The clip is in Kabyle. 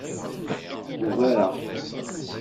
Ugareɣ-t.